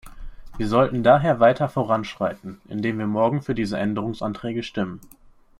Wir sollten daher weiter voranschreiten, indem wir morgen für diese Änderungsanträge stimmen.